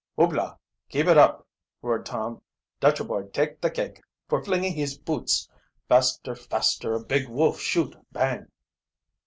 "Hoopla! keep it up!" roared Tom. "Dutcha boy take the cake for flingin' hees boots. Faster, faster, or Big Wolf shoot, bang!"